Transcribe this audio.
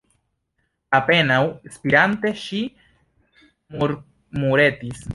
Apenaŭ spirante, ŝi murmuretis: